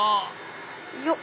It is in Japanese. よっ。